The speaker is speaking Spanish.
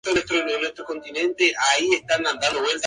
Sin embargo, muy pocos estudios in vivo han sido exitosos.